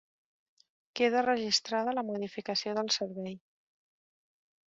Queda registrada la modificació del servei.